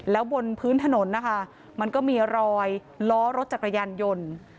แล้วบนพื้นถนนนะคะมันก็มีรอยล้อรถจักรยานยนต์